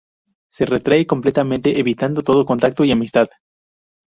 Se retrae completamente, evitando todo contacto y amistad.